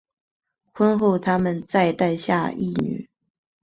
婚后他们再诞下一女。